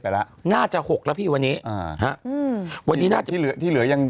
ละน่าจะหกแล้วพี่วันนี้อ่าฮะอืมวันนี้น่าจะเหลือที่เหลือยัง